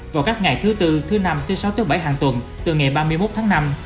vào các ngày thứ tư thứ năm thứ sáu thứ bảy hàng tuần từ ngày ba mươi một tháng năm